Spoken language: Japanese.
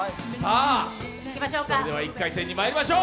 それでは１回戦にまいりましょう。